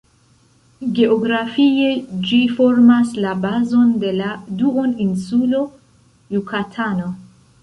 Geografie ĝi formas la bazon de la duoninsulo Jukatano.